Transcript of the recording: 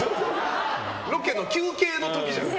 ロケの休憩の時じゃない。